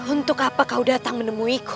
untuk apa kau datang menemuiku